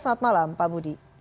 selamat malam pak budi